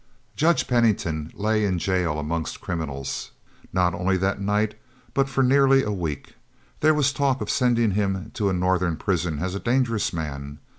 Judge Pennington lay in jail among criminals, not only that night, but for nearly a week. There was talk of sending him to a Northern prison as a dangerous man.